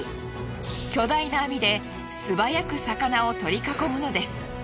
巨大な網ですばやく魚を取り囲むのです。